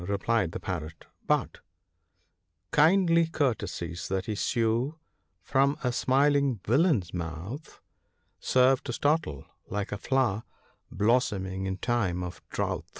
replied the Parrot ;' but —" Kindly courtesies that issue from a smiling villain's mouth Serve to startle, like a flower blossoming in time of drouth."